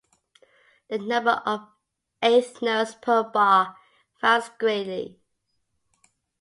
The number of eighth notes per bar varies greatly.